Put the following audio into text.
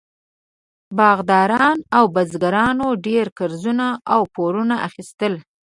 باغداران او بزګرانو ډېر قرضونه او پورونه اخیستل.